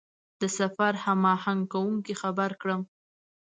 د سفر هماهنګ کوونکي خبر کړم.